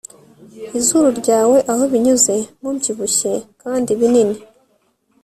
Izuru ryawe aho binyuze mubyibushye kandi binini